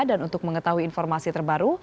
dan untuk mengetahui informasi terbaru